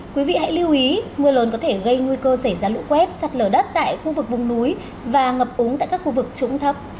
quý vị hãy lưu ý mưa lớn có thể gây nguy cơ xảy ra lũ quét sạt lở đất tại khu vực vùng núi và ngập úng tại các khu vực trũng thấp